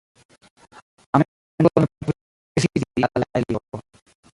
Tamen la junulo ne povis sin decidi al la eliro.